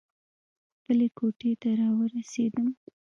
خپلې کوټې ته راورسېدم.